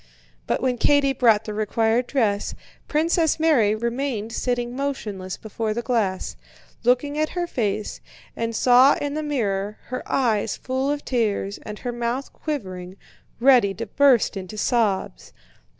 But when Katie brought the required dress, Princess Mary remained sitting motionless before the glass, looking at her face, and saw in the mirror her eyes full of tears and her mouth quivering, ready to burst into sobs.